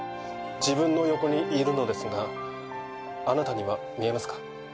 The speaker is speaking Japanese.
自分の横にいるのですがあなたには見えますか？